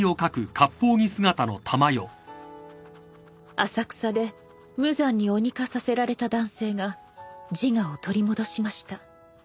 「浅草で無惨に鬼化させられた男性が自我を取り戻しました」